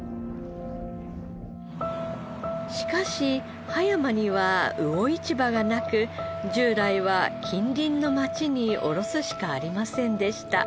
しかし葉山には魚市場がなく従来は近隣の街に卸すしかありませんでした。